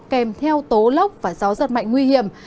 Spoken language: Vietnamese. kèm theo tố lốc và gió giật mạnh nguy hiểm